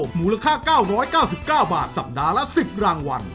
หมูราค่าเก้าร้อยเก้าสิบเก้าบาทสัปดาห์ละสิบรางวัน